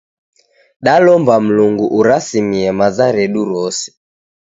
Dalomba Mlungu urasimie maza redu rose.